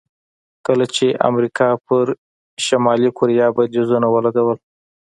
کله چې امریکا پر شلي کوریا بندیزونه ولګول.